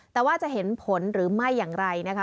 แต่ว่าจะเห็นผลหรือไม่อย่างไรนะคะ